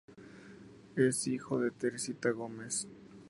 Es hijo de Teresita Gómez.